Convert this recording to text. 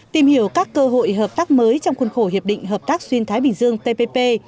tìm hiểu các cơ hội hợp tác mới trong khuôn khổ hiệp định hợp tác xuyên thái bình dương tpp